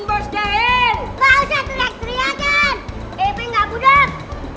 boxt eh jangan